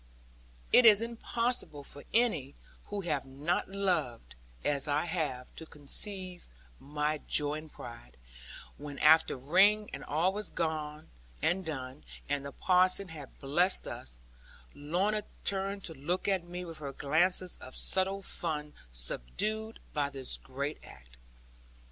It is impossible for any who have not loved as I have to conceive my joy and pride, when after ring and all was done, and the parson had blessed us, Lorna turned to look at me with her glances of subtle fun subdued by this great act.